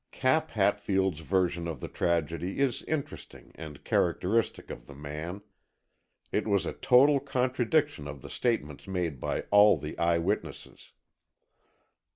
Cap Hatfield's version of the tragedy is interesting and characteristic of the man. It was a total contradiction of the statements made by all the eye witnesses.